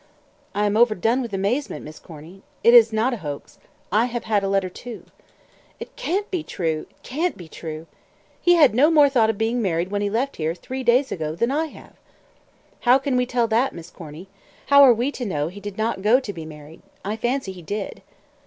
"I am overdone with amazement, Miss Corny. It is not a hoax; I have had a letter, too." "It can't be true it can't be true. He had no more thought of being married when he left here, three days ago, than I have." "How can we tell that, Miss Corny? How are we to know he did not go to be married? I fancy he did."